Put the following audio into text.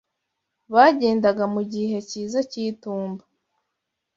Bagendaga mu gihe cyiza cy’itumba